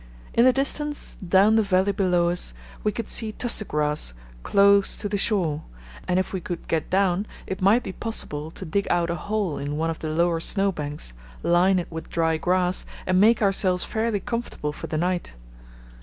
In the distance, down the valley below us, we could see tussock grass close to the shore, and if we could get down it might be possible to dig out a hole in one of the lower snow banks, line it with dry grass, and make ourselves fairly comfortable for the night.